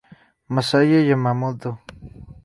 Masaya Yamamoto